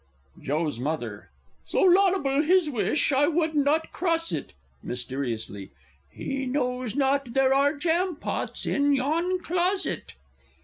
Joe's M. So laudable his wish, I would not cross it (Mysteriously.) He knows not there are jam pots in yon closet!